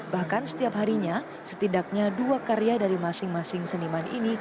bahkan setiap harinya setidaknya dua karya dari masing masing seniman ini